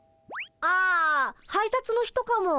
あ配達の人かも。